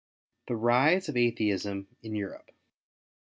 The Rise of Atheism in Europe.